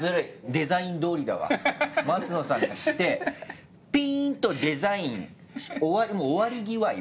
デザイン通りだわ升野さんがしてピンとデザインもう終わり際今。